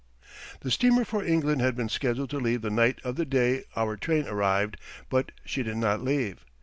The steamer for England had been scheduled to leave the night of the day our train arrived, but she did not leave.